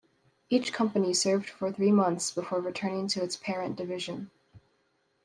Each company served for three months before returning to its parent division.